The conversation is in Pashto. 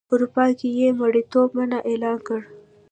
اروپا کې یې مریتوب منع اعلان کړ.